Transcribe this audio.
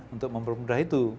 untuk mempermudah itu